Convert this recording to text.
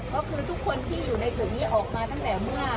ก็คือทุกคนที่อยู่ในกลุ่มนี้ออกมาตั้งแต่เมื่อ